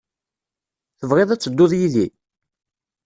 Tebɣiḍ ad tedduḍ yid-i?